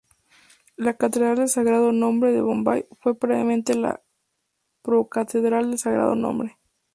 La catedral del Sagrado Nombre de Bombay fue previamente la procatedral del Sagrado Nombre.